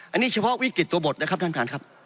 อันนี้เฉพาะวิกฤตตัวบทนะครับท่านท่านครับ